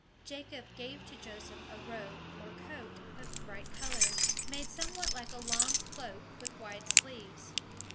Jacob gave to Joseph a robe or coat of bright colors, made somewhat like a long cloak with wide sleeves.